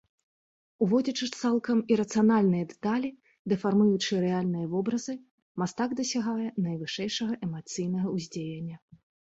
Уводзячы цалкам ірацыянальныя дэталі, дэфармуючы рэальныя вобразы, мастак дасягае найвышэйшага эмацыйнага ўздзеяння.